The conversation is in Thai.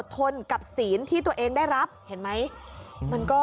แต่สีนที่ตัวเองได้รับเห็นไหม